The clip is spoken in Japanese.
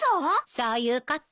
そういうこと。